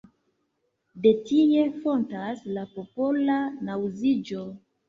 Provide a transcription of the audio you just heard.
De tie fontas la popola naŭziĝo.